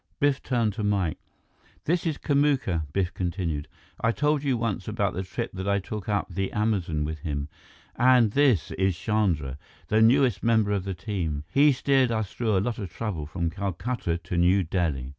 Biff turned to Mike. "This is Kamuka," Biff continued. "I told you once about the trip that I took up the Amazon with him. And this is Chandra, the newest member of the team. He steered us through a lot of trouble from Calcutta to New Delhi."